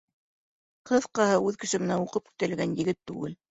Ҡыҫҡаһы, үҙ көсө менән уҡып күтәрелгән егет түгел.